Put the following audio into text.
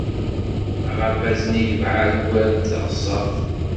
Aɣerbaz-nni yebɛed ugar n teɣsert.